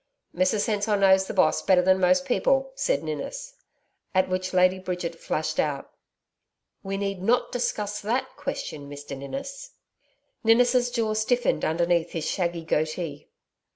'Mrs Hensor knows the Boss better than most people,' said Ninnis, at which Lady Bridget flashed out. 'We need not discuss that question, Mr Ninnis.' Ninnis' jaw stiffened underneath his shaggy goatee.